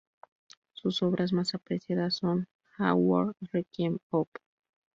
Sus obras más apreciadas son "A World Requiem" op.